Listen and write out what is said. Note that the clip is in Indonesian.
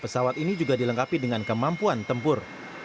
pesawat ini juga dilengkapi dengan kemampuan tempur